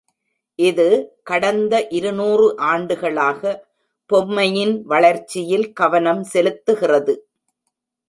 இது கடந்த இருநூறு ஆண்டுகளாக பொம்மையின் வளர்ச்சியில் கவனம் செலுத்துகிறது.